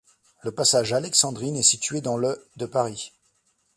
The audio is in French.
Le passage Alexandrine est situé dans le de Paris.